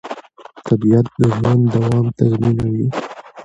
طبیعت د ژوند دوام تضمینوي